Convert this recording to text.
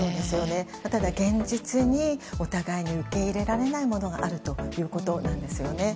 ただ、現実にお互いに受け入れられないものがあるということなんですよね。